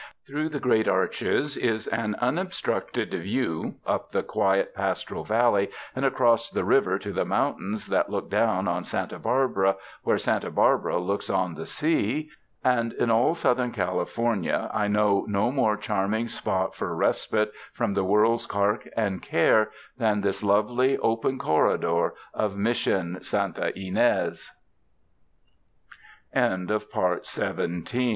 Through the great arches is an unobstructed view up the quiet, pastoral valley and across the river to the mountains that look down on Santa Barbara where Santa Barbara looks on the sea ; and in all Southern California I know no more charming spot for respite from the world's cark and care than this lovely